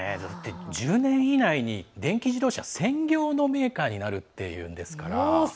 １０年以内に電気自動車専業のメーカーになるっていうんですから。